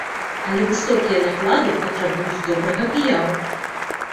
Але высокія наклады патрабуюць добрага піяру.